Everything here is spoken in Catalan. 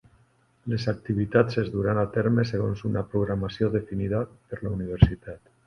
Les activitats es duran en terme segons una programació definida per la Universitat.